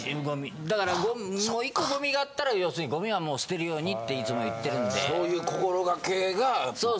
だからもう１個ゴミがあったら要するにゴミはもう捨てるようにっていつも言ってるんで。